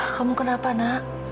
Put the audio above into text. kamu kenapa nak